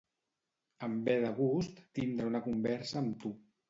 Em ve de gust tindre una conversa amb tu.